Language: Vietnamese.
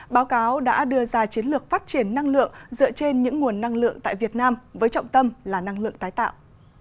báo cáo đã đưa ra chiến lược phát triển năng lượng dựa trên những nguồn năng lượng tại việt nam với trọng tâm là năng lượng tái tạo